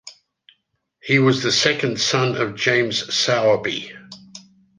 He was the second son of James Sowerby.